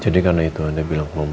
jadi karena itu anda bilang ke mama saya